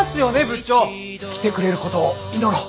来てくれることを祈ろう。